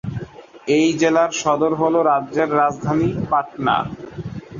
এই জেলার সদর হল রাজ্যের রাজধানী পাটনা।